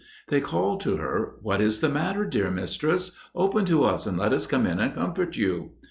They called to her, "What is the matter, dear mistress? Open to us and let us come in and comfort you."